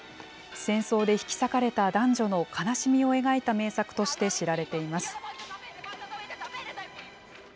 戦争で引き裂かれた男女の悲しみを描いた名作として知られています。